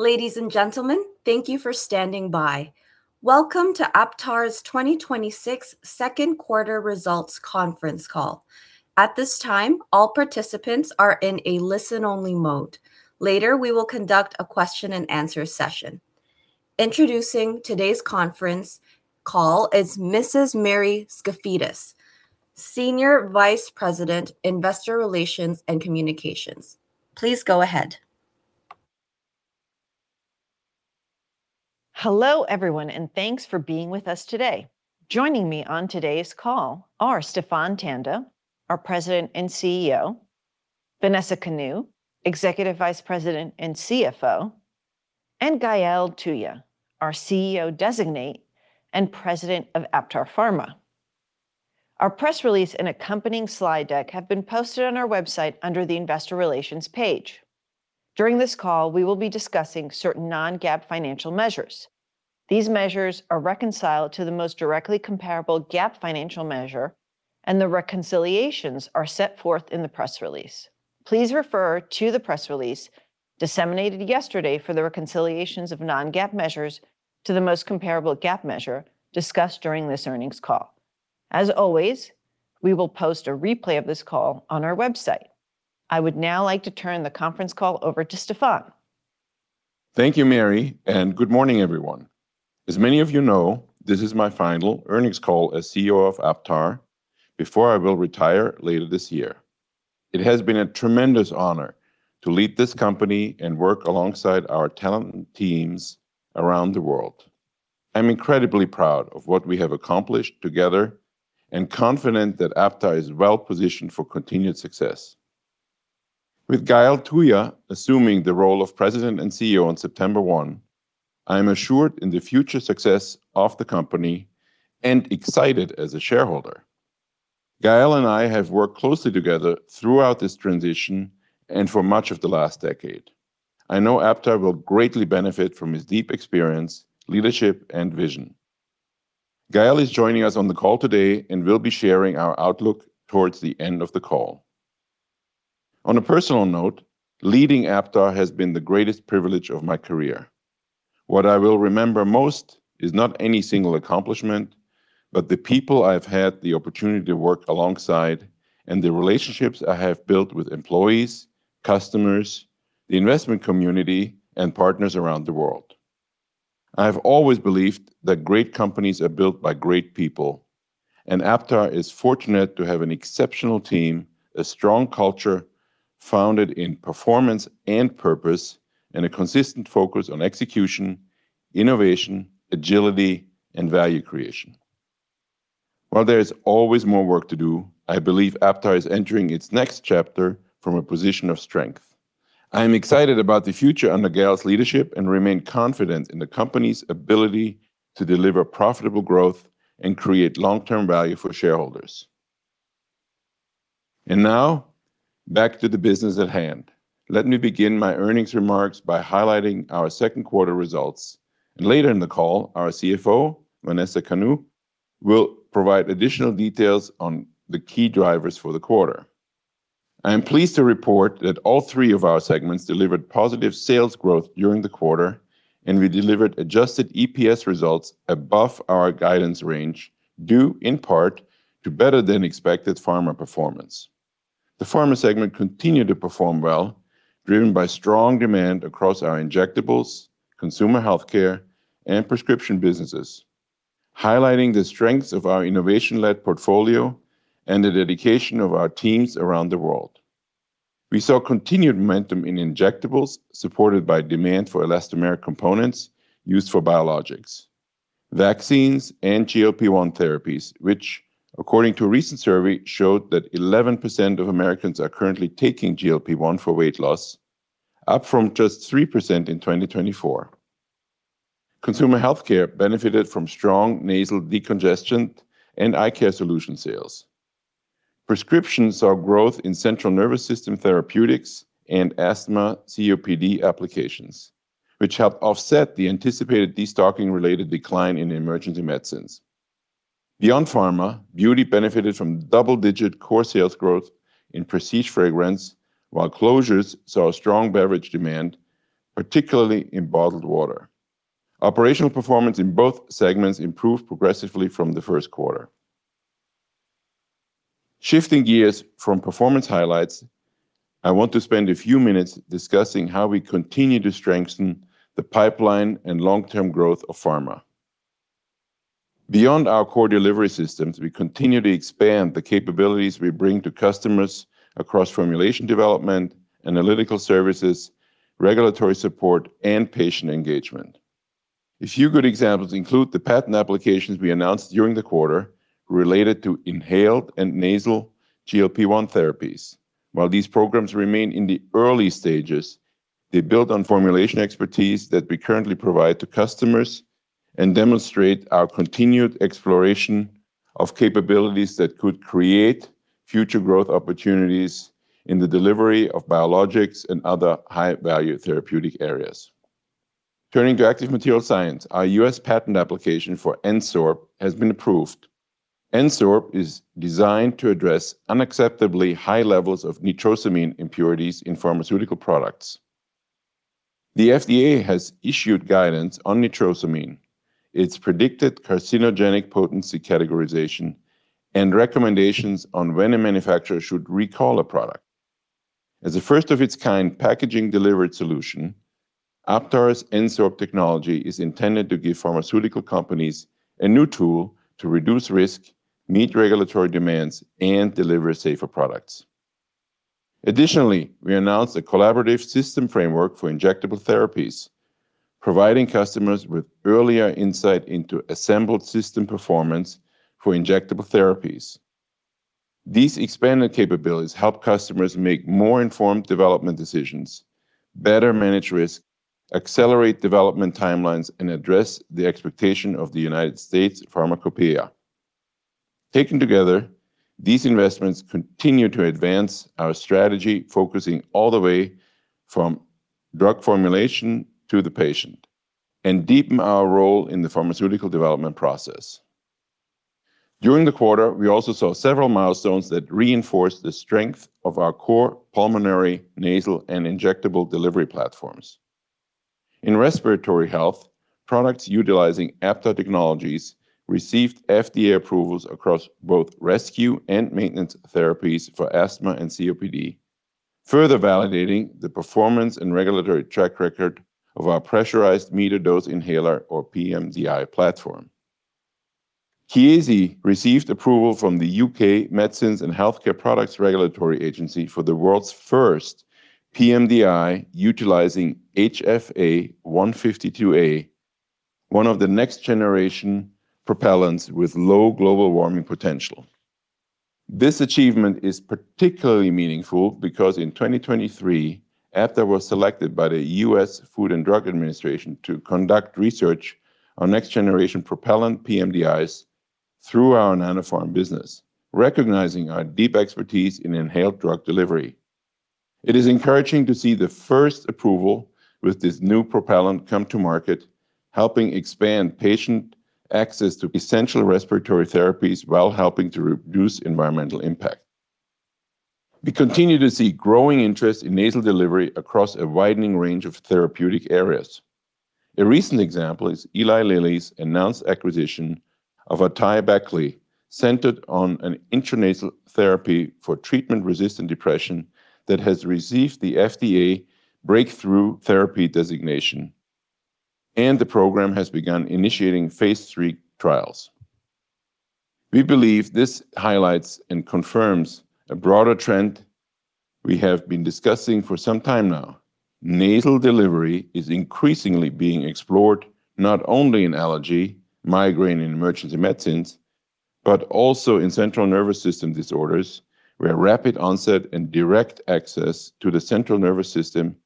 Ladies and gentlemen, thank you for standing by. Welcome to Aptar's 2026 second quarter results conference call. At this time, all participants are in a listen-only mode. Later, we will conduct a question and answer session. Introducing today's conference call is Mrs. Mary Skafidas, Senior Vice President, Investor Relations and Communications. Please go ahead. Hello, everyone, thanks for being with us today. Joining me on today's call are Stephan Tanda, our President and CEO, Vanessa Kanu, Executive Vice President and CFO, and Gael Touya, our CEO Designate and President of Aptar Pharma. Our press release and accompanying slide deck have been posted on our website under the Investor Relations page. During this call, we will be discussing certain non-GAAP financial measures. These measures are reconciled to the most directly comparable GAAP financial measure, and the reconciliations are set forth in the press release. Please refer to the press release disseminated yesterday for the reconciliations of non-GAAP measures to the most comparable GAAP measure discussed during this earnings call. As always, we will post a replay of this call on our website. I would now like to turn the conference call over to Stephan. Thank you, Mary, good morning, everyone. As many of you know, this is my final earnings call as CEO of Aptar before I will retire later this year. It has been a tremendous honor to lead this company and work alongside our talented teams around the world. I'm incredibly proud of what we have accomplished together and confident that Aptar is well-positioned for continued success. With Gael Touya assuming the role of President and CEO on September 1, I am assured in the future success of the company and excited as a shareholder. Gael and I have worked closely together throughout this transition for much of the last decade. I know Aptar will greatly benefit from his deep experience, leadership, vision. Gael is joining us on the call today and will be sharing our outlook towards the end of the call. On a personal note, leading Aptar has been the greatest privilege of my career. What I will remember most is not any single accomplishment, but the people I've had the opportunity to work alongside, the relationships I have built with employees, customers, the investment community, and partners around the world. I have always believed that great companies are built by great people, Aptar is fortunate to have an exceptional team, a strong culture founded in performance and purpose, a consistent focus on execution, innovation, agility, and value creation. While there is always more work to do, I believe Aptar is entering its next chapter from a position of strength. I am excited about the future under Gael's leadership and remain confident in the company's ability to deliver profitable growth, create long-term value for shareholders. Now, back to the business at hand. Let me begin my earnings remarks by highlighting our second quarter results. Later in the call, our CFO, Vanessa Kanu, will provide additional details on the key drivers for the quarter. I am pleased to report that all three of our segments delivered positive sales growth during the quarter, and we delivered adjusted EPS results above our guidance range, due in part to better-than-expected Pharma performance. The Pharma segment continued to perform well, driven by strong demand across our injectables, consumer healthcare, and prescription businesses, highlighting the strengths of our innovation-led portfolio and the dedication of our teams around the world. We saw continued momentum in injectables, supported by demand for elastomeric components used for biologics, vaccines, and GLP-1 therapies, which according to a recent survey, showed that 11% of Americans are currently taking GLP-1 for weight loss, up from just 3% in 2024. Consumer healthcare benefited from strong nasal decongestion and eye care solution sales. Prescriptions saw growth in central nervous system therapeutics and asthma COPD applications, which helped offset the anticipated destocking-related decline in emergency medicines. Beyond Pharma, Beauty benefited from double-digit core sales growth in prestige fragrance, while Closures saw strong beverage demand, particularly in bottled water. Operational performance in both segments improved progressively from the first quarter. Shifting gears from performance highlights, I want to spend a few minutes discussing how we continue to strengthen the pipeline and long-term growth of Pharma. Beyond our core delivery systems, we continue to expand the capabilities we bring to customers across formulation development, analytical services, regulatory support, and patient engagement. A few good examples include the patent applications we announced during the quarter related to inhaled and nasal GLP-1 therapies. While these programs remain in the early stages, they build on formulation expertise that we currently provide to customers and demonstrate our continued exploration of capabilities that could create future growth opportunities in the delivery of biologics and other high-value therapeutic areas. Turning to active material science, our U.S. patent application for N-Sorb has been approved. N-Sorb is designed to address unacceptably high levels of nitrosamine impurities in pharmaceutical products. The FDA has issued guidance on nitrosamine, its predicted carcinogenic potency categorization, and recommendations on when a manufacturer should recall a product. As a first-of-its-kind packaging-delivered solution, Aptar's N-Sorb technology is intended to give pharmaceutical companies a new tool to reduce risk, meet regulatory demands, and deliver safer products. Additionally, we announced a collaborative system framework for injectable therapies, providing customers with earlier insight into assembled system performance for injectable therapies. These expanded capabilities help customers make more informed development decisions, better manage risk, accelerate development timelines, and address the expectation of the United States Pharmacopeia. Taken together, these investments continue to advance our strategy, focusing all the way from drug formulation to the patient and deepen our role in the pharmaceutical development process. During the quarter, we also saw several milestones that reinforced the strength of our core pulmonary, nasal, and injectable delivery platforms. In respiratory health, products utilizing Aptar technologies received FDA approvals across both rescue and maintenance therapies for asthma and COPD, further validating the performance and regulatory track record of our pressurized metered-dose inhaler, or pMDI, platform. Chiesi received approval from the U.K. Medicines and Healthcare products Regulatory Agency for the world's first pMDI utilizing HFA-152a, one of the next-generation propellants with low global warming potential. This achievement is particularly meaningful because in 2023, Aptar was selected by the U.S. Food and Drug Administration to conduct research on next-generation propellant pMDIs through our Nanopharm business, recognizing our deep expertise in inhaled drug delivery. It is encouraging to see the first approval with this new propellant come to market, helping expand patient access to essential respiratory therapies while helping to reduce environmental impact. We continue to see growing interest in nasal delivery across a widening range of therapeutic areas. A recent example is Eli Lilly's announced acquisition of AtaiBeckley, centered on an intranasal therapy for treatment-resistant depression that has received the FDA Breakthrough Therapy designation, and the program has begun initiating phase III trials. We believe this highlights and confirms a broader trend we have been discussing for some time now. Nasal delivery is increasingly being explored not only in allergy, migraine, and emergency medicines, but also in central nervous system disorders, where rapid onset and direct access to the central nervous system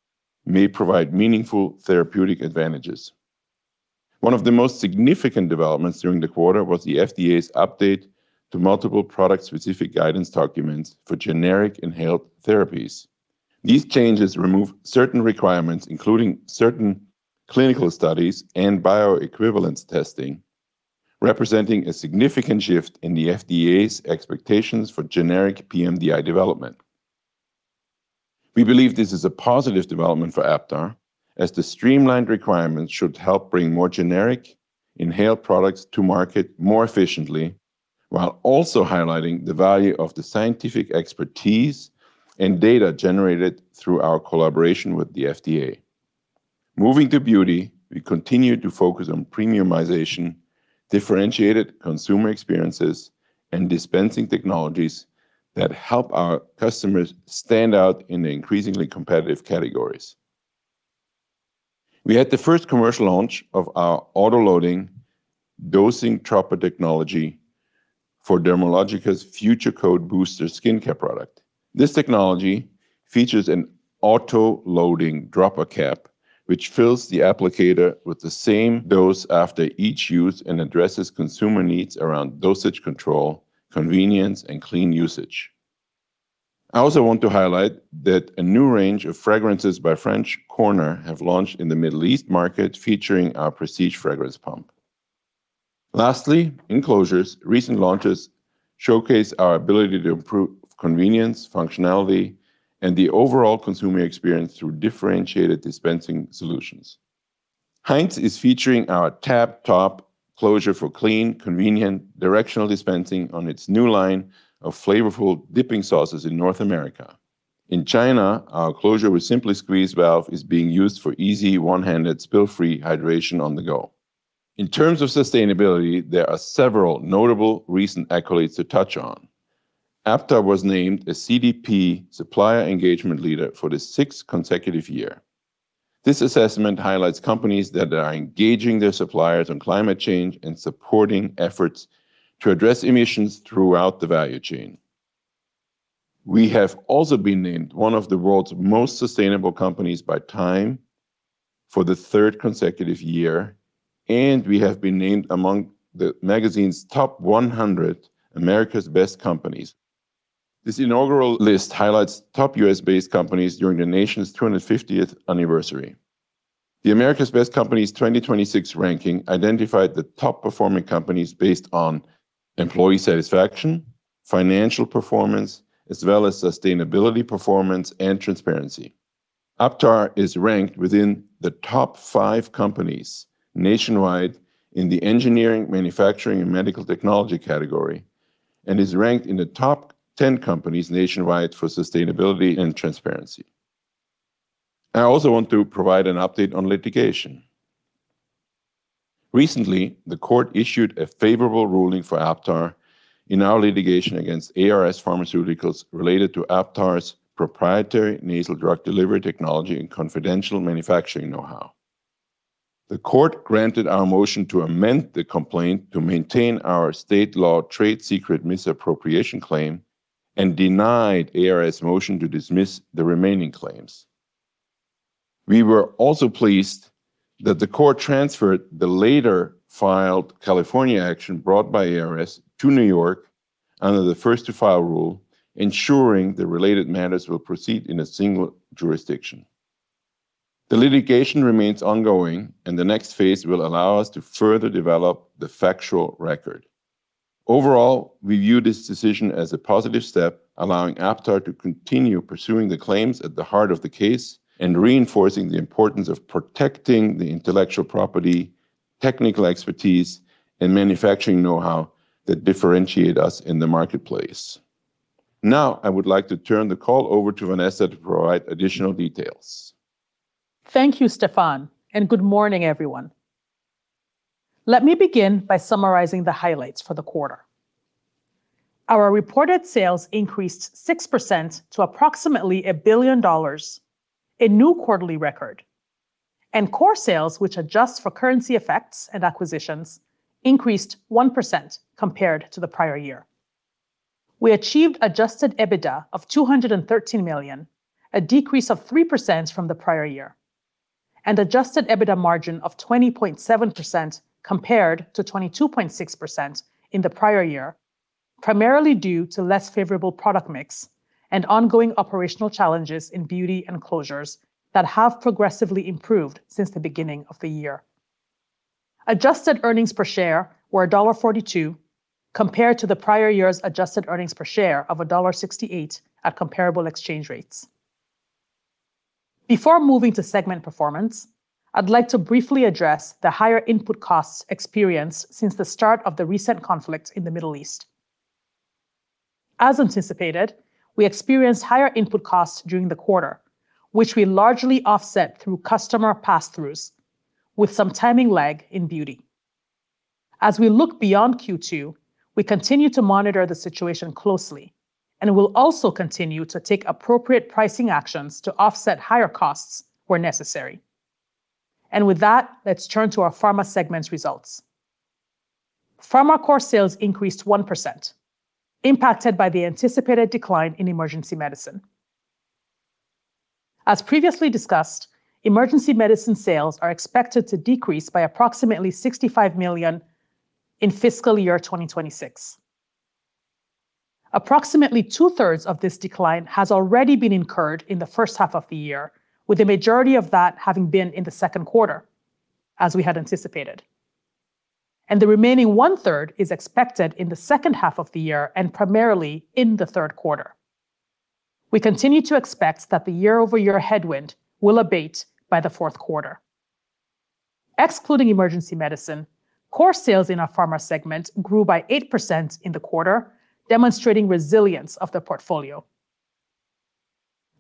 may provide meaningful therapeutic advantages. One of the most significant developments during the quarter was the FDA's update to multiple product-specific guidance documents for generic inhaled therapies. These changes remove certain requirements, including certain clinical studies and bioequivalence testing, representing a significant shift in the FDA's expectations for generic pMDI development. We believe this is a positive development for Aptar, as the streamlined requirements should help bring more generic inhaled products to market more efficiently, while also highlighting the value of the scientific expertise and data generated through our collaboration with the FDA. Moving to Beauty, we continue to focus on premiumization, differentiated consumer experiences, and dispensing technologies that help our customers stand out in the increasingly competitive categories. We had the first commercial launch of our auto-loading dosing dropper technology for Dermalogica's FutureCode Booster skincare product. This technology features an auto-loading dropper cap, which fills the applicator with the same dose after each use and addresses consumer needs around dosage control, convenience, and clean usage. I also want to highlight that a new range of fragrances by French Corner have launched in the Middle East market featuring our prestige fragrance pump. Lastly, in Closures, recent launches showcase our ability to improve convenience, functionality, and the overall consumer experience through differentiated dispensing solutions. Heinz is featuring our Tab Top closure for clean, convenient, directional dispensing on its new line of flavorful dipping sauces in North America. In China, our Closures with SimpliSqueeze valve is being used for easy, one-handed, spill-free hydration on the go. In terms of sustainability, there are several notable recent accolades to touch on. Aptar was named a CDP supplier engagement leader for the sixth consecutive year. This assessment highlights companies that are engaging their suppliers on climate change and supporting efforts to address emissions throughout the value chain. We have also been named one of the world's most sustainable companies by Time for the third consecutive year, and we have been named among the magazine's top 100 America's Best Companies. This inaugural list highlights top U.S.-based companies during the nation's 250th anniversary. The America's Best Companies 2026 ranking identified the top-performing companies based on employee satisfaction, financial performance, as well as sustainability performance and transparency. Aptar is ranked within the top five companies nationwide in the engineering, manufacturing, and medical technology category and is ranked in the top 10 companies nationwide for sustainability and transparency. I also want to provide an update on litigation. Recently, the court issued a favorable ruling for Aptar in our litigation against ARS Pharmaceuticals related to Aptar's proprietary nasal drug delivery technology and confidential manufacturing know-how. The court granted our motion to amend the complaint to maintain our state law trade secret misappropriation claim and denied ARS' motion to dismiss the remaining claims. We were also pleased that the court transferred the later filed California action brought by ARS to New York under the first-to-file rule, ensuring the related matters will proceed in a single jurisdiction. The litigation remains ongoing, and the next phase will allow us to further develop the factual record. Overall, we view this decision as a positive step, allowing Aptar to continue pursuing the claims at the heart of the case and reinforcing the importance of protecting the intellectual property, technical expertise, and manufacturing know-how that differentiate us in the marketplace. Now, I would like to turn the call over to Vanessa to provide additional details. Thank you, Stephan, and good morning, everyone. Let me begin by summarizing the highlights for the quarter. Our reported sales increased 6% to approximately $1 billion, a new quarterly record, and core sales, which adjust for currency effects and acquisitions, increased 1% compared to the prior year. We achieved adjusted EBITDA of $213 million, a decrease of 3% from the prior year, and adjusted EBITDA margin of 20.7% compared to 22.6% in the prior year, primarily due to less favorable product mix and ongoing operational challenges in Beauty and Closures that have progressively improved since the beginning of the year. Adjusted earnings per share were $1.42 compared to the prior year's adjusted earnings per share of $1.68 at comparable exchange rates. Before moving to segment performance, I'd like to briefly address the higher input costs experienced since the start of the recent conflict in the Middle East. As anticipated, we experienced higher input costs during the quarter, which we largely offset through customer passthroughs, with some timing lag in Beauty. As we look beyond Q2, we continue to monitor the situation closely and will also continue to take appropriate pricing actions to offset higher costs where necessary. With that, let's turn to our Pharma segment's results. Pharma core sales increased 1%, impacted by the anticipated decline in emergency medicine. As previously discussed, emergency medicine sales are expected to decrease by approximately $65 million in FY 2026. Approximately two-thirds of this decline has already been incurred in the first half of the year, with the majority of that having been in the second quarter, as we had anticipated. The remaining one-third is expected in the second half of the year and primarily in the third quarter. We continue to expect that the year-over-year headwind will abate by the fourth quarter. Excluding emergency medicine, core sales in our Aptar Pharma segment grew by 8% in the quarter, demonstrating resilience of the portfolio.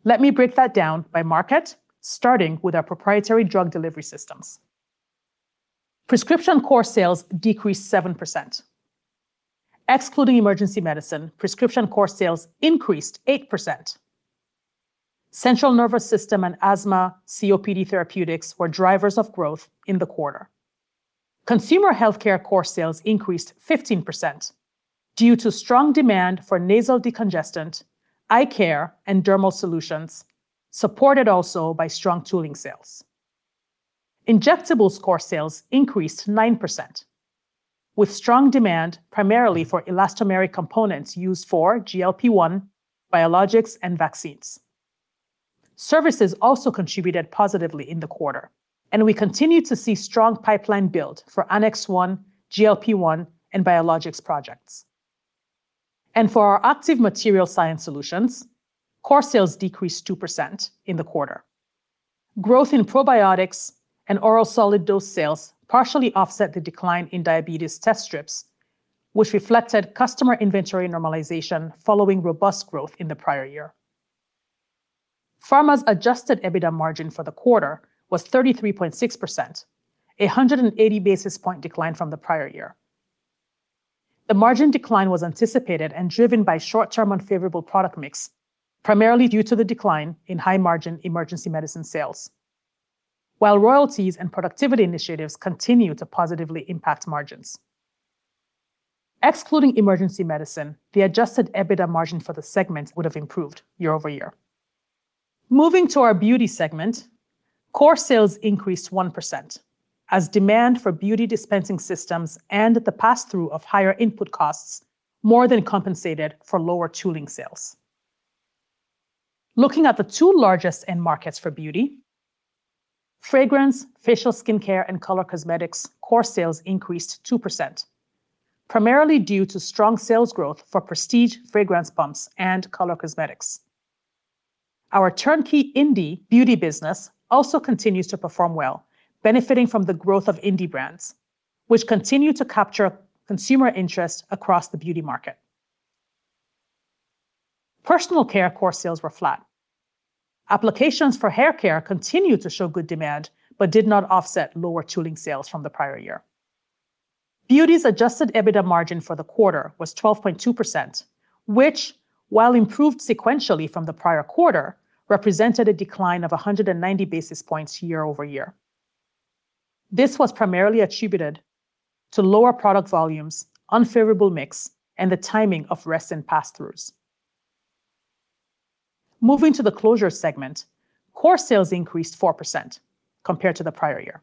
Let me break that down by market, starting with our proprietary drug delivery systems. Prescription core sales decreased 7%. Excluding emergency medicine, prescription core sales increased 8%. Central nervous system and asthma COPD therapeutics were drivers of growth in the quarter. Consumer healthcare core sales increased 15% due to strong demand for nasal decongestant, eye care, and dermal solutions, supported also by strong tooling sales. Injectables core sales increased 9%, with strong demand primarily for elastomeric components used for GLP-1, biologics, and vaccines. Services also contributed positively in the quarter, we continue to see strong pipeline build for Annex I, GLP-1, and biologics projects. For our Active Material Science Solutions, core sales decreased 2% in the quarter. Growth in probiotics and oral solid dose sales partially offset the decline in diabetes test strips, which reflected customer inventory normalization following robust growth in the prior year. Pharma's adjusted EBITDA margin for the quarter was 33.6%, a 180 basis point decline from the prior year. The margin decline was anticipated and driven by short-term unfavorable product mix, primarily due to the decline in high-margin emergency medicine sales. While royalties and productivity initiatives continue to positively impact margins. Excluding emergency medicine, the adjusted EBITDA margin for the segment would have improved year-over-year. Moving to our Beauty segment, core sales increased 1% as demand for beauty dispensing systems and the passthrough of higher input costs more than compensated for lower tooling sales. Looking at the two largest end markets for Beauty, fragrance, facial skincare, and color cosmetics core sales increased 2%, primarily due to strong sales growth for prestige fragrance pumps and color cosmetics. Our turnkey indie beauty business also continues to perform well, benefiting from the growth of indie brands, which continue to capture consumer interest across the beauty market. Personal care core sales were flat. Applications for hair care continued to show good demand but did not offset lower tooling sales from the prior year. Beauty's adjusted EBITDA margin for the quarter was 12.2%, which, while improved sequentially from the prior quarter, represented a decline of 190 basis points year-over-year. This was primarily attributed to lower product volumes, unfavorable mix, and the timing of rest and passthroughs. Moving to the Closure segment, core sales increased 4% compared to the prior year.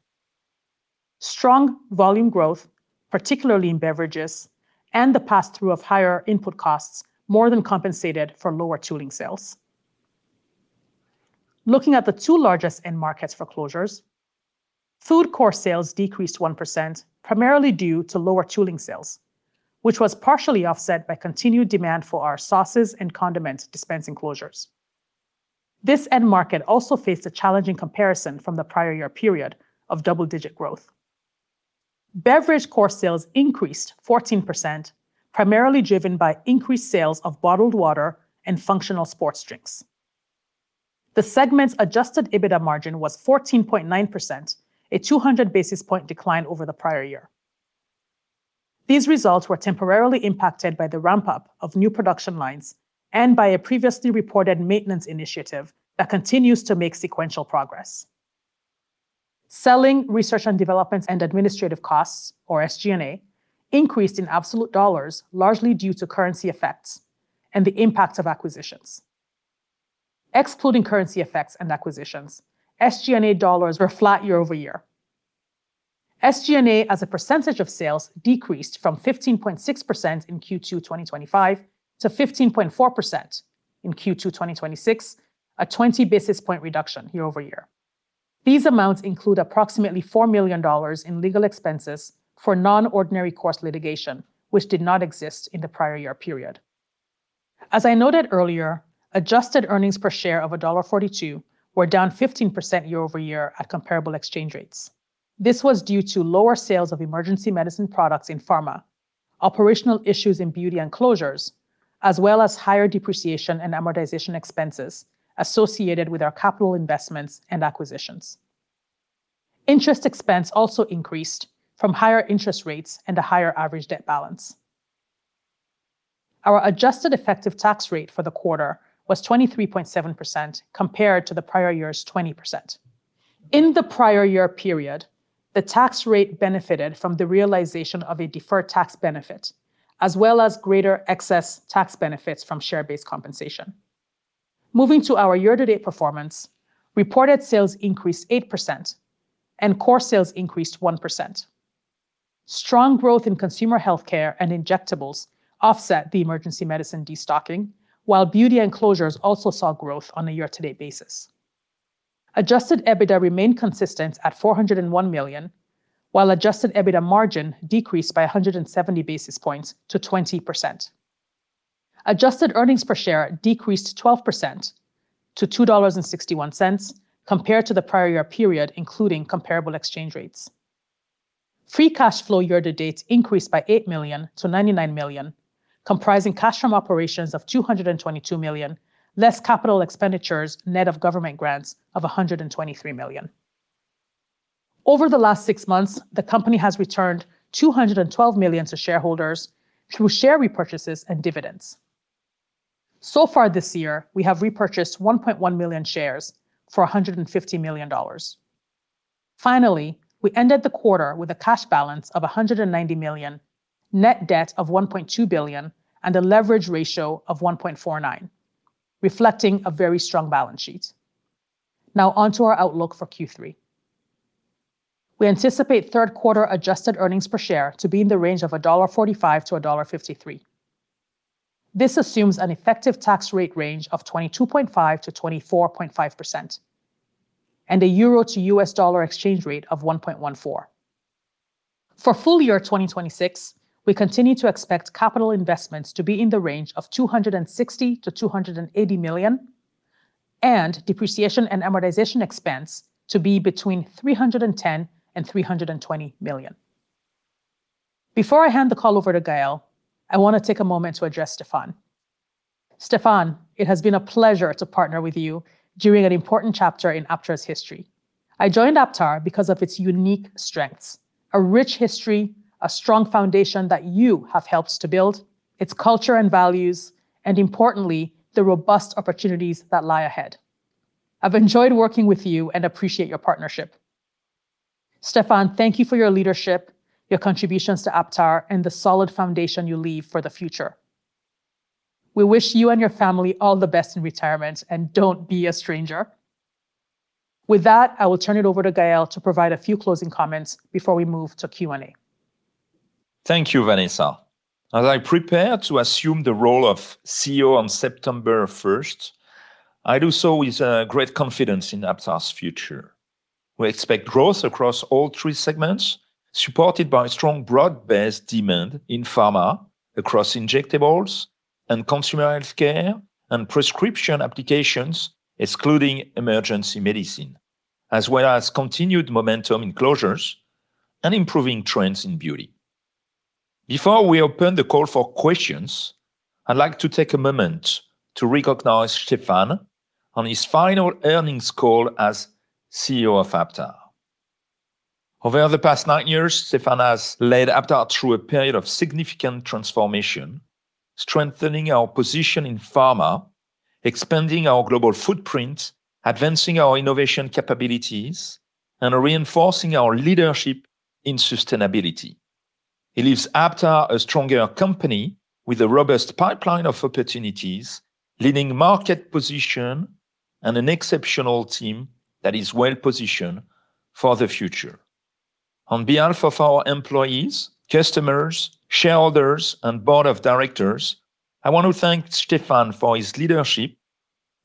Strong volume growth, particularly in beverages and the passthrough of higher input costs, more than compensated for lower tooling sales. Looking at the two largest end markets for Closures, food core sales decreased 1%, primarily due to lower tooling sales, which was partially offset by continued demand for our sauces and condiment dispensing closures. This end market also faced a challenging comparison from the prior year period of double-digit growth. Beverage core sales increased 14%, primarily driven by increased sales of bottled water and functional sports drinks. The segment's adjusted EBITDA margin was 14.9%, a 200 basis point decline over the prior year. These results were temporarily impacted by the ramp-up of new production lines and by a previously reported maintenance initiative that continues to make sequential progress. Selling, research and development, and administrative costs, or SG&A, increased in absolute dollars, largely due to currency effects and the impact of acquisitions. Excluding currency effects and acquisitions, SG&A dollars were flat year-over-year. SG&A as a percentage of sales decreased from 15.6% in Q2 2025 to 15.4% in Q2 2026, a 20 basis point reduction year-over-year. These amounts include approximately $4 million in legal expenses for non-ordinary course litigation, which did not exist in the prior year period. As I noted earlier, adjusted earnings per share of $1.42 were down 15% year-over-year at comparable exchange rates. This was due to lower sales of emergency medicine products in Pharma, operational issues in Beauty and Closures, as well as higher depreciation and amortization expenses associated with our capital investments and acquisitions. Interest expense also increased from higher interest rates and a higher average debt balance. Our adjusted effective tax rate for the quarter was 23.7% compared to the prior year's 20%. In the prior year period, the tax rate benefited from the realization of a deferred tax benefit, as well as greater excess tax benefits from share-based compensation. Moving to our year-to-date performance, reported sales increased 8% and core sales increased 1%. Strong growth in consumer healthcare and injectables offset the emergency medicine destocking, while Beauty and Closures also saw growth on a year-to-date basis. Adjusted EBITDA remained consistent at $401 million, while adjusted EBITDA margin decreased by 170 basis points to 20%. Adjusted earnings per share decreased 12% to $2.61 compared to the prior year period, including comparable exchange rates. Free cash flow year-to-date increased by $8 million to $99 million, comprising cash from operations of $222 million, less capital expenditures, net of government grants of $123 million. Over the last six months, the company has returned $212 million to shareholders through share repurchases and dividends. So far this year, we have repurchased 1.1 million shares for $150 million. Finally, we ended the quarter with a cash balance of $190 million, net debt of $1.2 billion, and a leverage ratio of 1.49x, reflecting a very strong balance sheet. Now on to our outlook for Q3. We anticipate third quarter adjusted earnings per share to be in the range of $1.45-$1.53. This assumes an effective tax rate range of 22.5%-24.5% and a euro to U.S. dollar exchange rate of $1.14. For full year 2026, we continue to expect capital investments to be in the range of $260 million-$280 million, and depreciation and amortization expense to be between $310 million and $320 million. Before I hand the call over to Gael, I want to take a moment to address Stephan. Stephan, it has been a pleasure to partner with you during an important chapter in Aptar's history. I joined Aptar because of its unique strengths, a rich history, a strong foundation that you have helped to build, its culture and values, and importantly, the robust opportunities that lie ahead. I've enjoyed working with you and appreciate your partnership. Stephan, thank you for your leadership, your contributions to Aptar, and the solid foundation you leave for the future. We wish you and your family all the best in retirement, and don't be a stranger. With that, I will turn it over to Gael to provide a few closing comments before we move to Q&A. Thank you, Vanessa. As I prepare to assume the role of CEO on September 1st, I do so with great confidence in Aptar's future. We expect growth across all three segments, supported by strong broad-based demand in Pharma across injectables and consumer healthcare and prescription applications, excluding emergency medicine, as well as continued momentum in Closures and improving trends in Beauty. Before we open the call for questions, I'd like to take a moment to recognize Stephan on his final earnings call as CEO of Aptar. Over the past nine years, Stephan has led Aptar through a period of significant transformation, strengthening our position in Pharma, expanding our global footprint, advancing our innovation capabilities, and reinforcing our leadership in sustainability. He leaves Aptar a stronger company with a robust pipeline of opportunities, leading market position, and an exceptional team that is well-positioned for the future. On behalf of our employees, customers, shareholders, and board of directors, I want to thank Stephan for his leadership,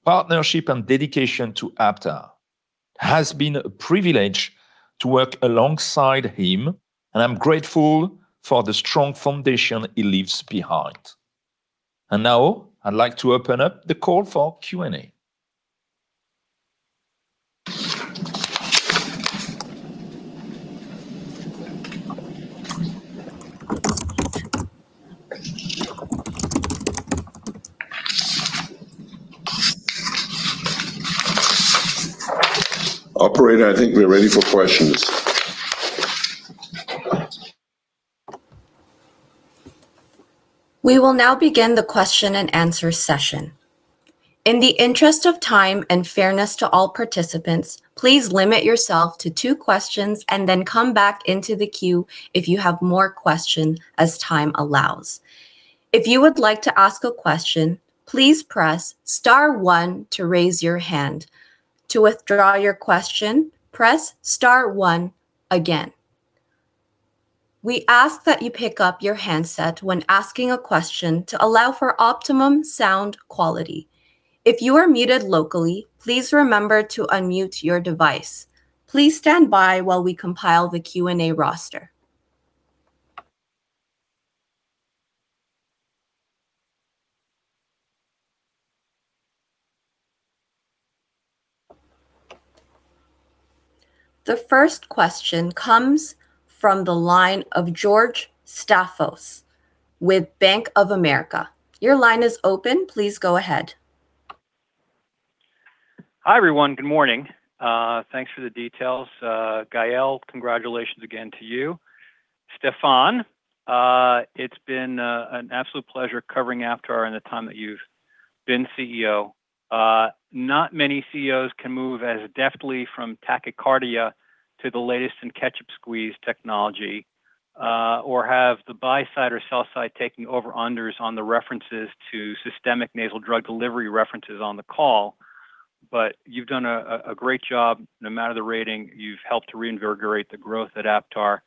partnership, and dedication to Aptar. It has been a privilege to work alongside him, and I'm grateful for the strong foundation he leaves behind. Now, I'd like to open up the call for Q&A. Operator, I think we are ready for questions. We will now begin the question and answer session. In the interest of time and fairness to all participants, please limit yourself to two questions and then come back into the queue if you have more questions, as time allows. If you would like to ask a question, please press star one to raise your hand. To withdraw your question, press star one again. We ask that you pick up your handset when asking a question to allow for optimum sound quality. If you are muted locally, please remember to unmute your device. Please stand by while we compile the Q&A roster. The first question comes from the line of George Staphos with Bank of America. Your line is open. Please go ahead. Hi, everyone. Good morning. Thanks for the details. Gael, congratulations again to you. Stephan, it's been an absolute pleasure covering Aptar the time that you've been CEO. Not many CEOs can move as deftly from tachycardia to the latest in ketchup squeeze technology, or have the buy side or sell side taking over unders on the references to systemic nasal drug delivery references on the call, but you've done a great job. No matter the rating, you've helped to reinvigorate the growth at Aptar.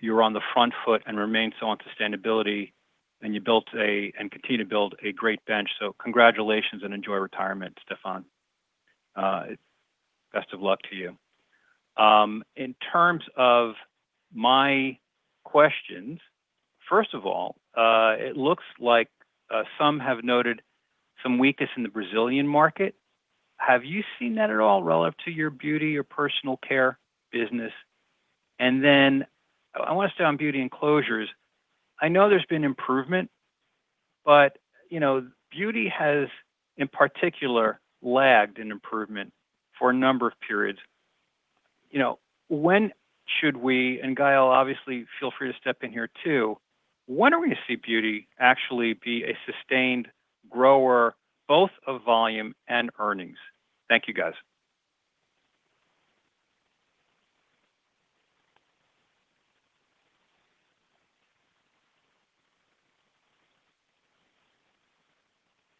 You're on the front foot and remain so on sustainability, and you built and continue to build a great bench, so congratulations and enjoy retirement, Stephan. Best of luck to you. In terms of my questions, first of all, it looks like some have noted some weakness in the Brazilian market. Have you seen that at all relevant to your beauty or personal care business? I want to stay on Beauty and Closures. I know there's been improvement, Beauty has, in particular, lagged in improvement for a number of periods. When should we, and Gael, obviously feel free to step in here, too, when are we going to see Beauty actually be a sustained grower, both of volume and earnings? Thank you, guys.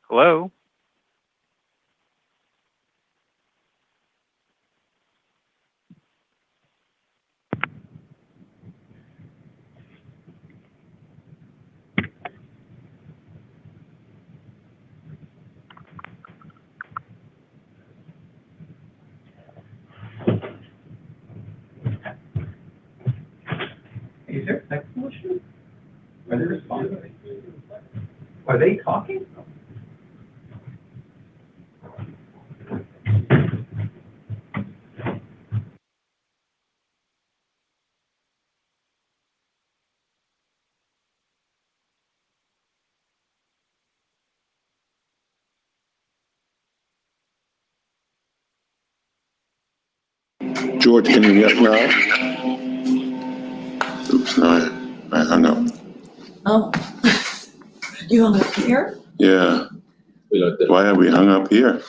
Hello? Is there a second question? Are they responding? Are they talking? George, can you hear us now? Oops, sorry. I hung up. You hung up here? Yeah. Why have we hung up here?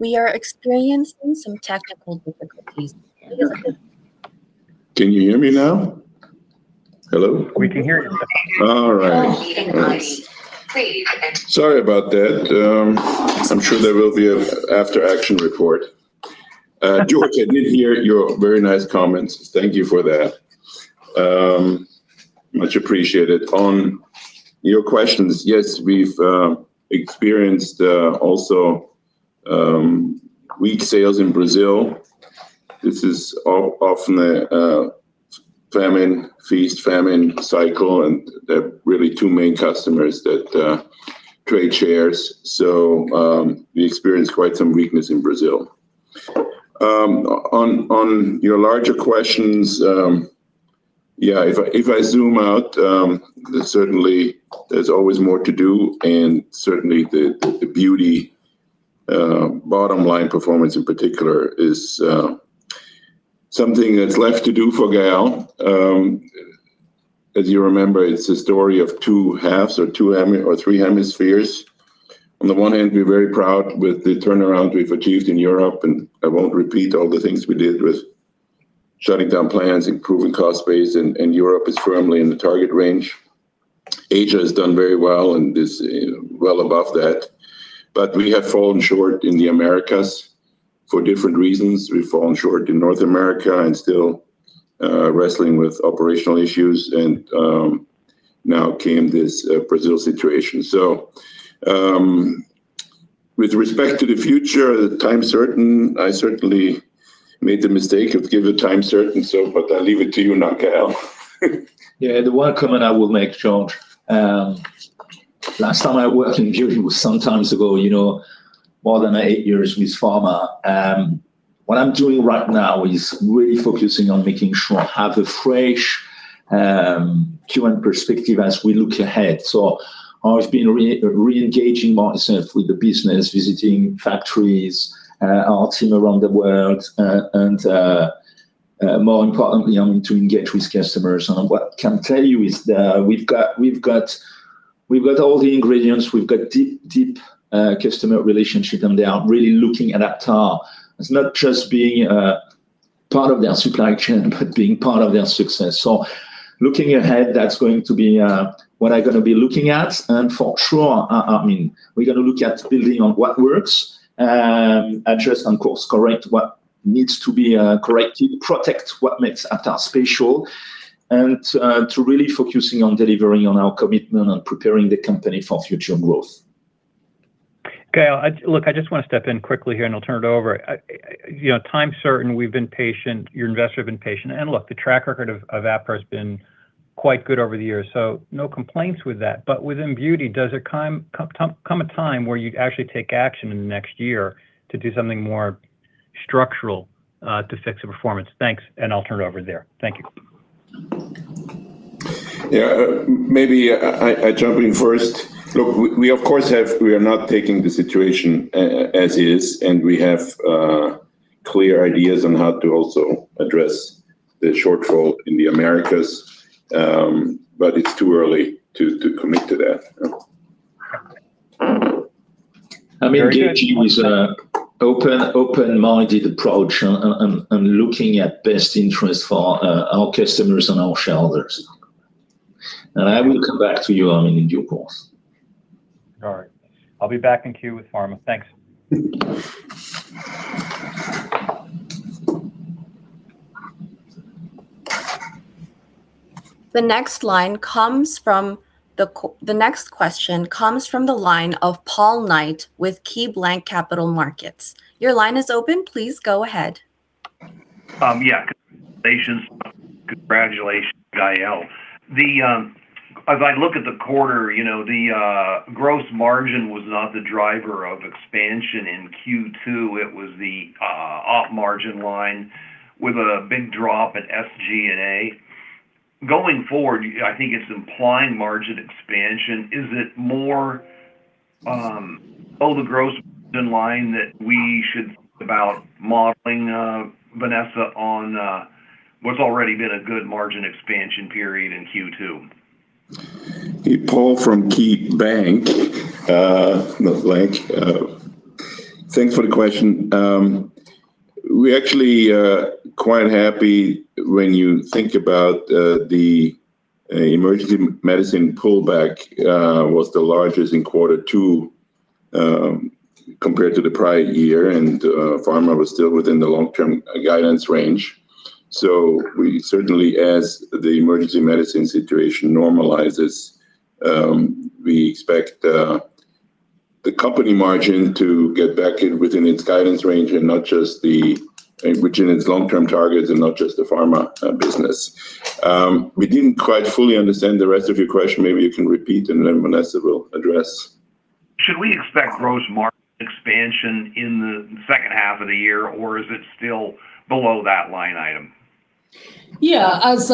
We are experiencing some technical difficulties. Can you hear me now? Hello? We can hear you. All right. Sorry about that. I'm sure there will be an after-action report. George, I did hear your very nice comments. Thank you for that. Much appreciated. On your questions, yes, we've experienced also weak sales in Brazil. This is often a feast, famine cycle. There are really two main customers that trade shares. We experienced quite some weakness in Brazil. On your larger questions, if I zoom out, certainly there's always more to do, and certainly the beauty bottom line performance, in particular, is something that's left to do for Gael. As you remember, it's a story of two halves or three hemispheres. On the one hand, we're very proud with the turnaround we've achieved in Europe. I won't repeat all the things we did with shutting down plants, improving cost base, and Europe is firmly in the target range. Asia has done very well and is well above that. We have fallen short in the Americas for different reasons. We've fallen short in North America and still wrestling with operational issues. Now came this Brazil situation. With respect to the future, the time certain, I certainly made the mistake of giving a time certain. I leave it to you now, Gael. Yeah, the one comment I will make, George. Last time I worked in Beauty was some times ago, more than eight years with Pharma. What I'm doing right now is really focusing on making sure I have a fresh Q1 perspective as we look ahead. I've been re-engaging myself with the business, visiting factories, our team around the world, and more importantly, I need to engage with customers. What I can tell you is that we've got all the ingredients. We've got deep customer relationship, and they are really looking at Aptar as not just being part of their supply chain, but being part of their success. Looking ahead, that's going to be what I'm going to be looking at. For sure, we're going to look at building on what works, address and course correct what needs to be corrected, protect what makes Aptar special, and to really focusing on delivering on our commitment and preparing the company for future growth. Gael, look, I just want to step in quickly here, I'll turn it over. Time certain, we've been patient, your investors have been patient. Look, the track record of Aptar has been quite good over the years, so no complaints with that. Within Beauty, does there come a time where you actually take action in the next year to do something more structural to fix the performance? Thanks, I'll turn it over there. Thank you. Yeah, maybe I jump in first. Look, we are not taking the situation as is. We have clear ideas on how to also address the shortfall in the Americas. It's too early to commit to that. I'm engaging with an open-minded approach and looking at best interest for our customers and our shareholders. I will come back to you, [Armin], in due course. All right. I'll be back in queue with pharma. Thanks. The next question comes from the line of Paul Knight with KeyBanc Capital Markets. Your line is open. Please go ahead. Yeah, congratulations. Congratulations, Gael. As I look at the quarter, the gross margin was not the driver of expansion in Q2. It was the op margin line with a big drop in SG&A. Going forward, I think it's implying margin expansion. Is it more all the gross margin line that we should think about modeling, Vanessa, on what's already been a good margin expansion period in Q2? Hey, Paul from KeyBanc, not blank. Thanks for the question. We're actually quite happy when you think about the emergency medicine pullback was the largest in quarter two, compared to the prior year, Pharma was still within the long-term guidance range. Certainly, as the emergency medicine situation normalizes, we expect the company margin to get back within its guidance range, within its long-term targets, not just the Pharma business. We didn't quite fully understand the rest of your question. Maybe you can repeat and then Vanessa will address. Should we expect gross margin expansion in the second half of the year, or is it still below that line item? Yeah. As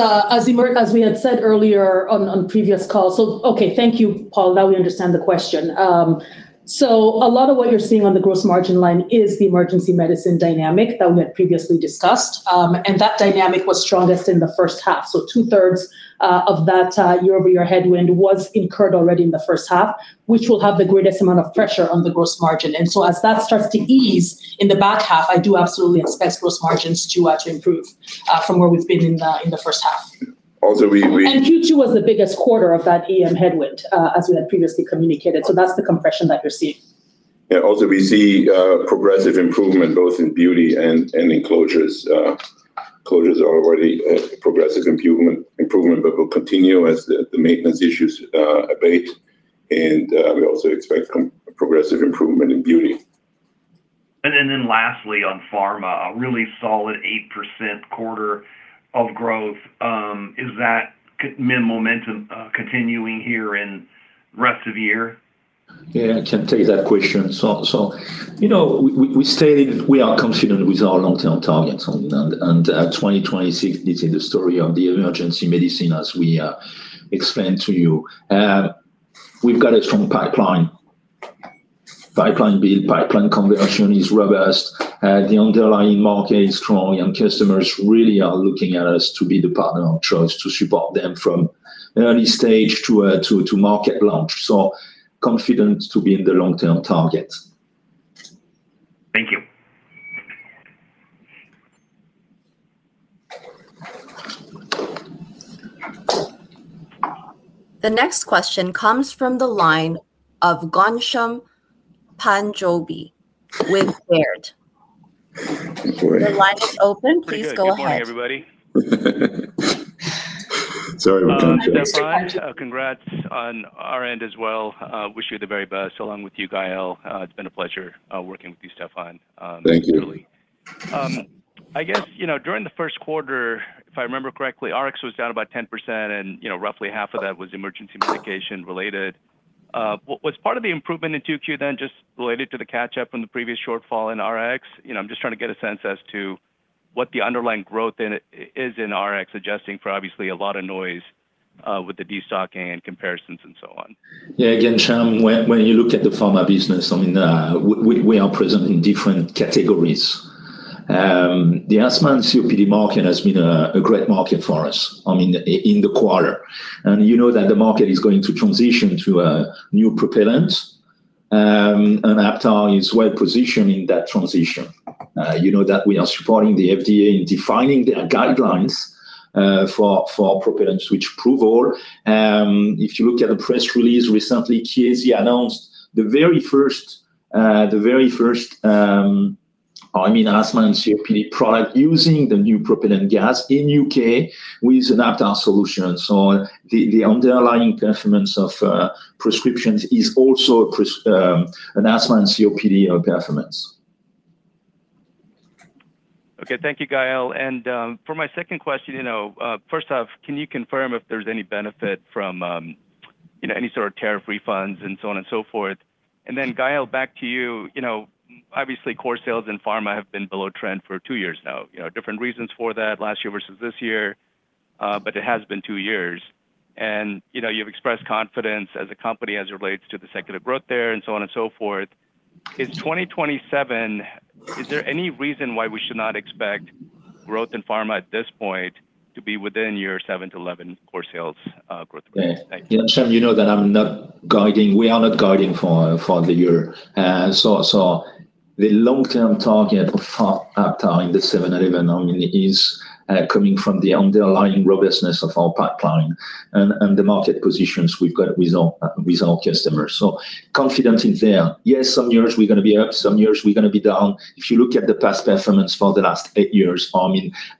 we had said earlier on previous calls. Okay. Thank you, Paul. Now we understand the question. A lot of what you're seeing on the gross margin line is the emergency medicine dynamic that we had previously discussed. That dynamic was strongest in the first half. Two-thirds of that year-over-year headwind was incurred already in the first half, which will have the greatest amount of pressure on the gross margin. As that starts to ease in the back half, I do absolutely expect gross margins to actually improve from where we've been in the first half. Also, we— Q2 was the biggest quarter of that EM headwind, as we had previously communicated. That's the compression that you're seeing. Yeah, also we see progressive improvement both in Beauty and in Closures. Closures are already a progressive improvement but will continue as the maintenance issues abate. We also expect progressive improvement in Beauty. Lastly on Pharma, a really solid 8% quarter of growth. Is that momentum continuing here in rest of the year? Yeah, I can take that question. We stated we are confident with our long-term targets. 2026 is in the story of the emergency medicine as we explained to you. We've got a strong pipeline. Pipeline build, pipeline conversion is robust. The underlying market is strong, and customers really are looking at us to be the partner of choice to support them from early stage to market launch. Confident to be in the long-term target. Thank you. The next question comes from the line of Ghansham Panjabi with Baird. Your line is open. Please go ahead. Pretty good. Good morning, everybody. Sorry about that. Stephan, congrats on our end as well. Wish you the very best, along with you, Gael. It's been a pleasure working with you, Stephan. Thank you. I guess, during the first quarter, if I remember correctly, Rx was down about 10%, and roughly half of that was emergency medication-related. Was part of the improvement in Q2 then just related to the catch-up from the previous shortfall in Rx? I'm just trying to get a sense as to what the underlying growth is in Rx, adjusting for obviously a lot of noise with the destocking and comparisons and so on. Ghansham, when you look at the Pharma business, we are present in different categories. The asthma and COPD market has been a great market for us, in the quarter. You know that the market is going to transition to a new propellant, and AptarGroup is well-positioned in that transition. You know that we are supporting the FDA in defining the guidelines for propellant switch approval. If you look at the press release recently, Chiesi announced the very first asthma and COPD product using the new propellant gas in U.K. with an Aptar solution. The underlying performance of prescriptions is also asthma and COPD performance. Thank you, Gael. For my second question, first off, can you confirm if there's any benefit from any sort of tariff refunds and so on and so forth? Then Gael, back to you. Obviously core sales and Pharma have been below trend for two years now. Different reasons for that last year versus this year. It has been two years. You've expressed confidence as a company as it relates to the secular growth there and so on and so forth. Is 2027, is there any reason why we should not expect growth in Pharma at this point to be within your 7-11 core sales growth range? Thank you. Yeah. Ghansham, you know that we are not guiding for the year. The long-term target of Aptar in the 7-11 is coming from the underlying robustness of our pipeline and the market positions we've got with our customers. Confidence is there. Yes, some years we're going to be up, some years we're going to be down. If you look at the past performance for the last eight years,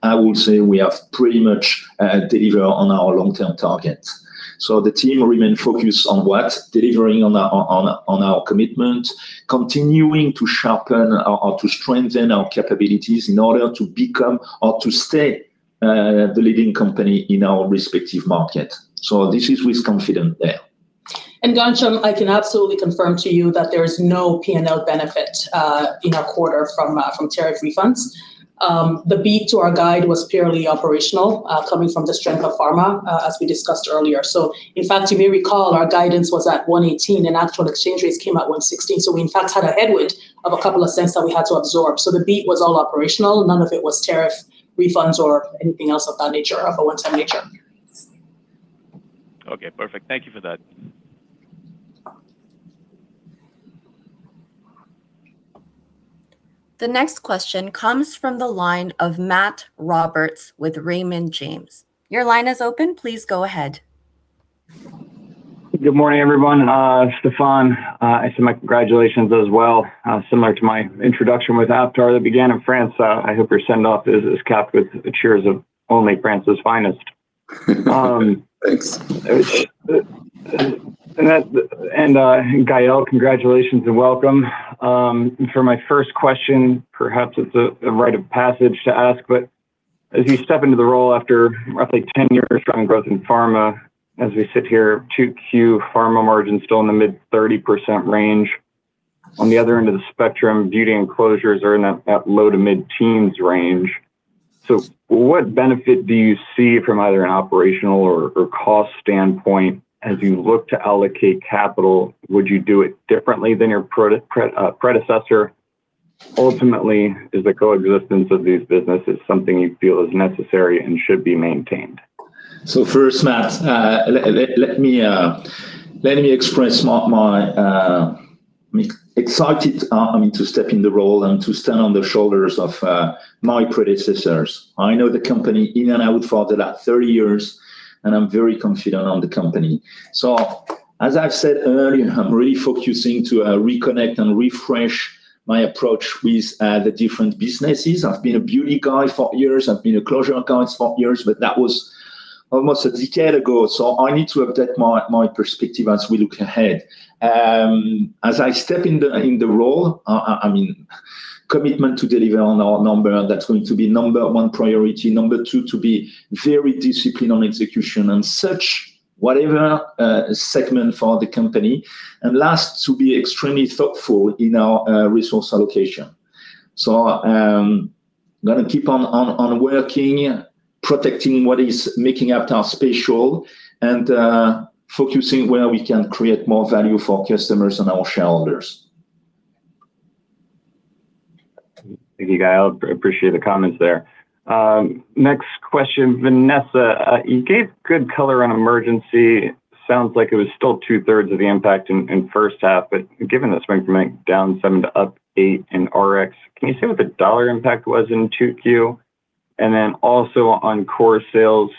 I would say we have pretty much delivered on our long-term targets. The team remain focused on what? Delivering on our commitment, continuing to sharpen or to strengthen our capabilities in order to become or to stay the leading company in our respective market. This is with confidence there. Ghansham, I can absolutely confirm to you that there is no P&L benefit in our quarter from tariff refunds. The beat to our guide was purely operational, coming from the strength of Pharma, as we discussed earlier. In fact, you may recall our guidance was at $1.18 and actual exchange rates came at $1.16. We in fact had a headwind of a couple of cents that we had to absorb. The beat was all operational. None of it was tariff refunds or anything else of that nature, of a one-time nature. Okay, perfect. Thank you for that. The next question comes from the line of Matt Roberts with Raymond James. Your line is open. Please go ahead. Good morning, everyone. Stephan, I send my congratulations as well. Similar to my introduction with Aptar that began in France, I hope your send-off is capped with cheers of only France's finest. Thanks. Gael, congratulations and welcome. For my first question, perhaps it's a rite of passage to ask, but as you step into the role after roughly 10 years strong growth in Pharma, as we sit here, 2Q Pharma margin's still in the mid-30% range. On the other end of the spectrum, Beauty and Closures are in that low to mid-teens range. What benefit do you see from either an operational or cost standpoint as you look to allocate capital? Would you do it differently than your predecessor? Ultimately, is the coexistence of these businesses something you feel is necessary and should be maintained? First, Matt, let me express my excitement to step in the role and to stand on the shoulders of my predecessors. I know the company in and out for the last 30 years, and I'm very confident on the company. As I've said earlier, I'm really focusing to reconnect and refresh my approach with the different businesses. I've been a beauty guy for years. I've been a closure guy for years, but that was almost a decade ago. I need to update my perspective as we look ahead. As I step in the role, commitment to deliver on our number, that's going to be number one priority. Number two, to be very disciplined on execution and search whatever segment for the company. Last, to be extremely thoughtful in our resource allocation. I'm going to keep on working, protecting what is making Aptar special, and focusing where we can create more value for customers and our shareholders. Thank you, Gael. Appreciate the comments there. Next question. Vanessa, you gave good color on emergency. Sounds like it was still two-thirds of the impact in first half, but given the swing from down 7% to up 8% in Rx, can you say what the dollar impact was in 2Q? Also on core sales,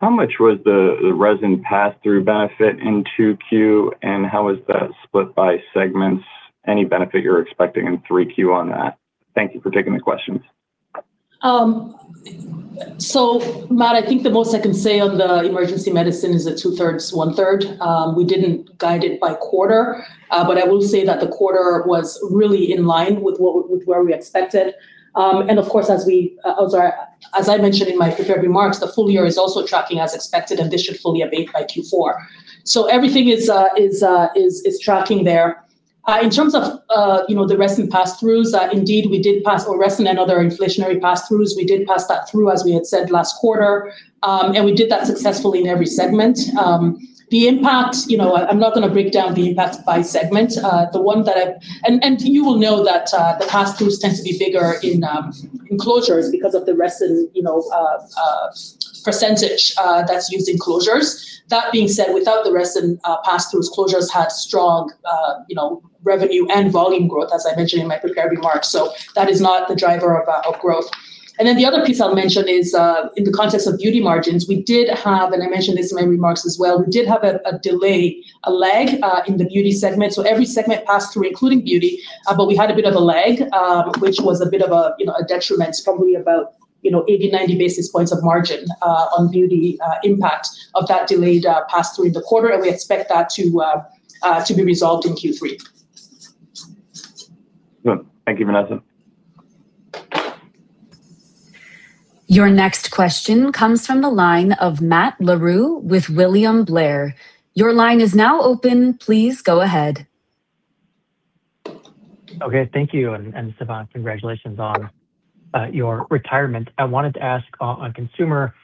how much was the resin pass-through benefit in 2Q, and how is that split by segments? Any benefit you're expecting in 3Q on that? Thank you for taking the questions. Matt, I think the most I can say on the emergency medicine is that two-thirds to one-third. We didn't guide it by quarter, but I will say that the quarter was really in line with where we expected. Of course, as I mentioned in my prepared remarks, the full year is also tracking as expected, and this should fully abate by Q4. Everything is tracking there. In terms of the resin pass-throughs, indeed we did pass resin and other inflationary pass-throughs, we did pass that through, as we had said last quarter. We did that successfully in every segment. The impact, I'm not going to break down the impact by segment. You will know that the pass-throughs tend to be bigger in Closures because of the resin percentage that's used in Closures. That being said, without the resin pass-throughs, Closures had strong revenue and volume growth, as I mentioned in my prepared remarks. That is not the driver of growth. The other piece I'll mention is, in the context of Beauty margins, we did have, and I mentioned this in my remarks as well, we did have a delay, a lag, in the Beauty segment. Every segment passed through, including Beauty, but we had a bit of a lag, which was a bit of a detriment, probably about 80-90 basis points of margin on Beauty impact of that delayed pass-through in the quarter. We expect that to be resolved in Q3. Good. Thank you, Vanessa. Your next question comes from the line of Matt Larew with William Blair. Your line is now open. Please go ahead. Okay. Thank you. Stephan, congratulations on your retirement. I wanted to ask on consumer,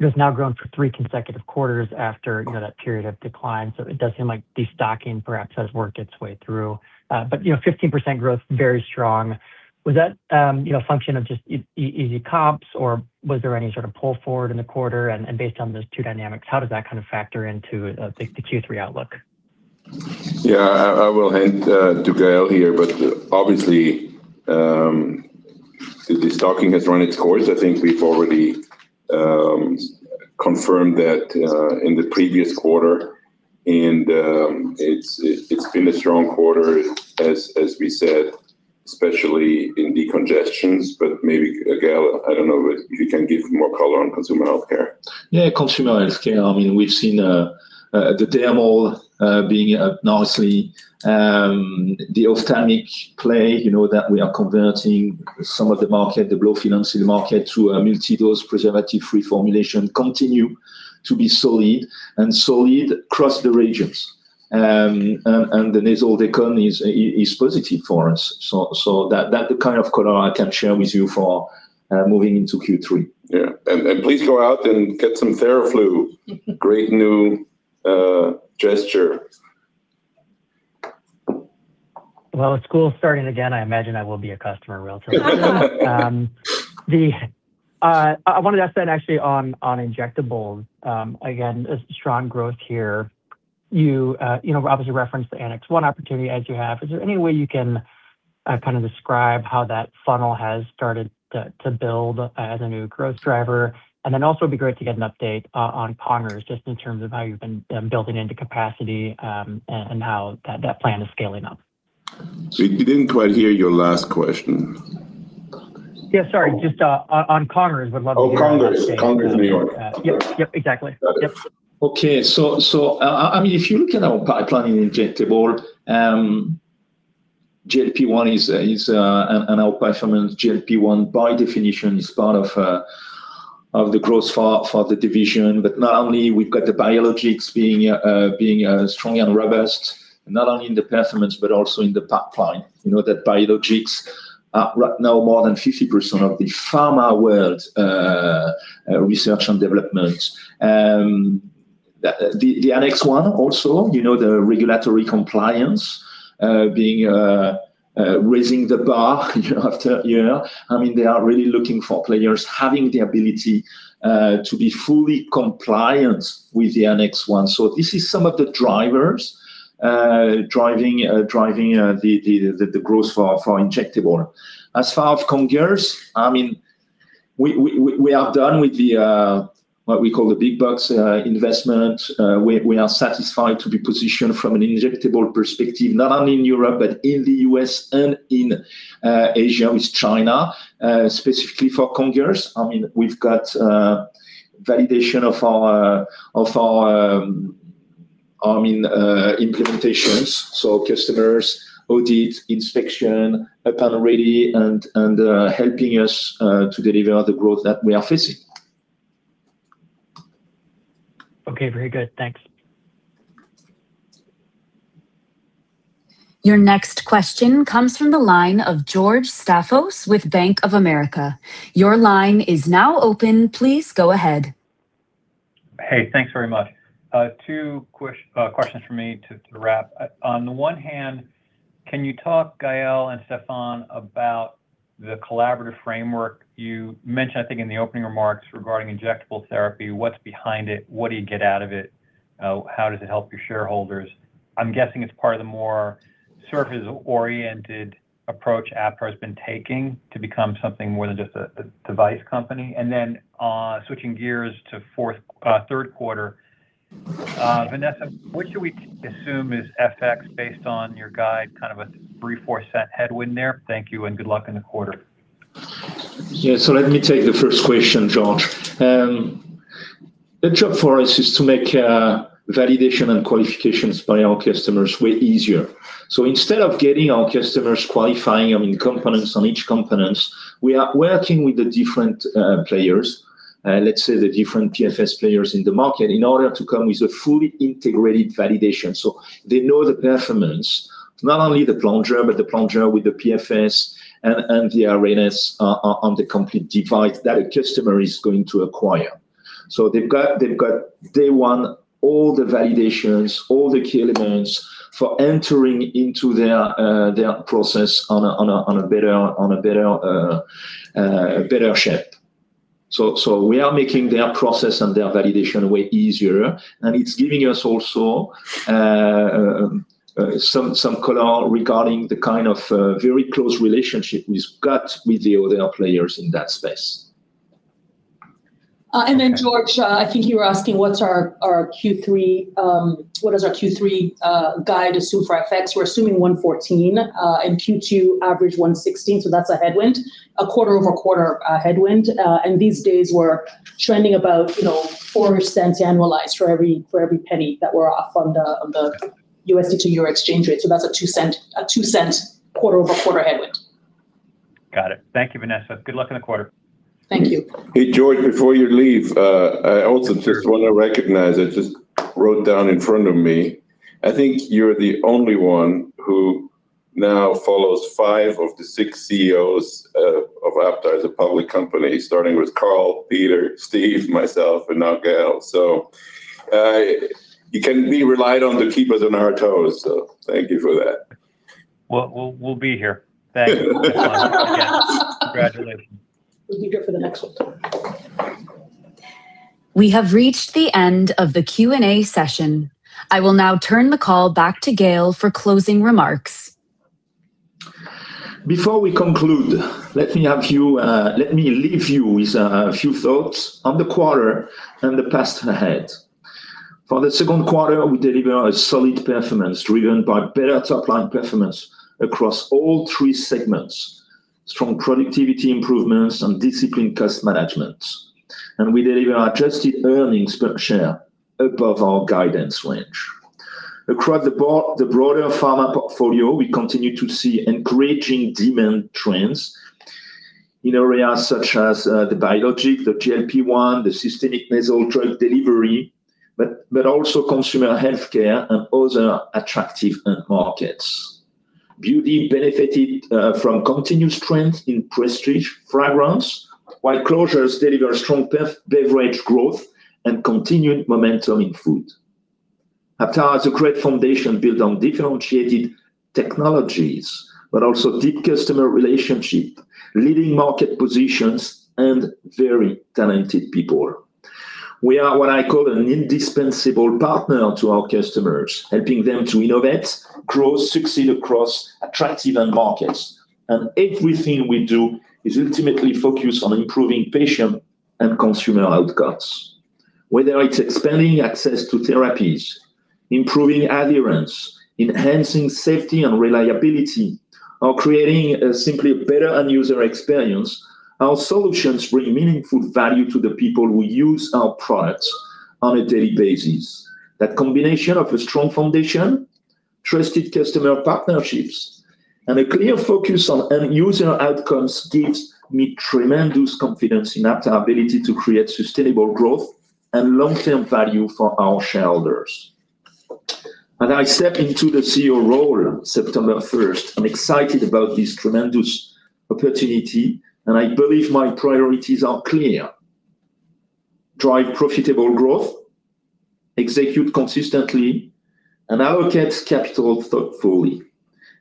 it has now grown for three consecutive quarters after that period of decline. It does seem like de-stocking perhaps has worked its way through. 15% growth, very strong. Was that a function of just easy comps, or was there any sort of pull forward in the quarter? Based on those two dynamics, how does that kind of factor into the Q3 outlook? Yeah, I will hand to Gael here. Obviously, de-stocking has run its course. I think we've already confirmed that in the previous quarter. It's been a strong quarter, as we said, especially in decongestants, maybe Gael, I don't know if you can give more color on consumer healthcare. Yeah, consumer healthcare, we've seen the dermal being up nicely. The ophthalmic play that we are converting some of the market, the blow-fill-seal market to a multidose preservative-free formulation continue to be solid and solid across the regions. The nasal decongestant is positive for us. That kind of color I can share with you for moving into Q3. Please go out and get some Theraflu. Great new gesture. Well, with school starting again, I imagine I will be a customer real soon. I wanted to ask then actually on injectables, again, a strong growth here. You obviously referenced the Annex I opportunity as you have. Is there any way you can kind of describe how that funnel has started to build as a new growth driver? And then also it'd be great to get an update on Congers just in terms of how you've been building into capacity, and how that plan is scaling up. We didn't quite hear your last question. Yeah, sorry, just on Congers would love to hear. Congers. Congers, New York Yep. Exactly. Got it. If you look at our pipeline in injectable, GLP-1 is an outperformance. GLP-1 by definition is part of the growth for the division. Not only we've got the biologics being strongly and robust, not only in the performance but also in the pipeline. You know that biologics are right now more than 50% of the pharma world research and development. The Annex I also, the regulatory compliance, raising the bar. They are really looking for players having the ability to be fully compliant with the Annex I. This is some of the drivers driving the growth for injectable. As far of Congers, we are done with what we call the big bucks investment. We are satisfied to be positioned from an injectable perspective, not only in Europe, but in the U.S. and in Asia, with China, specifically for Congers. We've got validation of our implementations. Customers audit, inspection, panel ready and helping us to deliver the growth that we are facing. Okay. Very good. Thanks. Your next question comes from the line of George Staphos with Bank of America. Your line is now open. Please go ahead. Hey, thanks very much. Two questions from me to wrap. On the one hand, can you talk, Gael and Stephan, about the collaborative framework you mentioned, I think in the opening remarks regarding injectable therapy. What's behind it? What do you get out of it? How does it help your shareholders? I'm guessing it's part of the more surface-oriented approach Aptar has been taking to become something more than just a device company. Switching gears to third quarter. Vanessa, what should we assume is FX based on your guide? Kind of a $0.03-$0.04 headwind there? Thank you and good luck in the quarter. Yeah. Let me take the first question, George. The job for us is to make validation and qualifications by our customers way easier. Instead of getting our customers qualifying components on each components, we are working with the different players, let's say the different PFS players in the market in order to come with a fully integrated validation. They know the performance, not only the plunger, but the plunger with the PFS and the arenas on the complete device that a customer is going to acquire. They've got day one, all the validations, all the key elements for entering into their process on a better shape. We are making their process and their validation way easier, and it's giving us also some color regarding the kind of very close relationship we've got with the other players in that space. George, I think you were asking what is our Q3 guide assume for FX? We're assuming $1.14, and Q2 averaged $1.16, that's a headwind. A quarter-over-quarter headwind. These days we're trending about $0.04 annualized for every $0.01 that we're off on the USD-to-euro exchange rate. That's a $0.02 quarter-over-quarter headwind. Got it. Thank you, Vanessa. Good luck in the quarter. Thank you. Hey, George, before you leave, I also just want to recognize, I just wrote down in front of me. I think you're the only one who now follows five of the six CEOs of Aptar as a public company, starting with Carl, Peter, Steve, myself, and now Gael. You can be relied on to keep us on our toes. Thank you for that. We'll be here. Thank you. Congratulations. We'll be here for the next one. We have reached the end of the Q&A session. I will now turn the call back to Gael for closing remarks. Before we conclude, let me leave you with a few thoughts on the quarter and the path ahead. For the second quarter, we delivered a solid performance driven by better top-line performance across all three segments, strong productivity improvements, and disciplined cost management. We delivered adjusted earnings per share above our guidance range. Across the broader Pharma portfolio, we continue to see encouraging demand trends in areas such as the biologics, the GLP-1, the systemic nasal drug delivery, consumer healthcare and other attractive end markets. Beauty benefited from continued strength in prestige fragrance, while Closures delivered strong beverage growth and continued momentum in food. Aptar has a great foundation built on differentiated technologies, deep customer relationship, leading market positions and very talented people. We are what I call an indispensable partner to our customers, helping them to innovate, grow, succeed across attractive end markets. Everything we do is ultimately focused on improving patient and consumer outcomes. Whether it's expanding access to therapies, improving adherence, enhancing safety and reliability, or creating simply a better end user experience, our solutions bring meaningful value to the people who use our products on a daily basis. That combination of a strong foundation, trusted customer partnerships, and a clear focus on end user outcomes gives me tremendous confidence in Aptar's ability to create sustainable growth and long-term value for our shareholders. As I step into the CEO role September 1st, I'm excited about this tremendous opportunity and I believe my priorities are clear. Drive profitable growth, execute consistently, and allocate capital thoughtfully.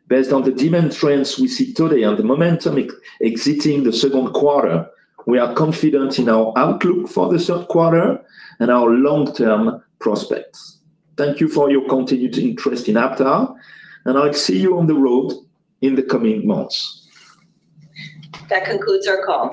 Based on the demand trends we see today and the momentum exiting the second quarter, we are confident in our outlook for the third quarter and our long-term prospects. Thank you for your continued interest in Aptar, I'll see you on the road in the coming months. That concludes our call.